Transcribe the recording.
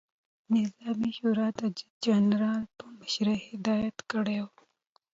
نظامي شورا ته د جنرال په مشري هدایت کړی ؤ،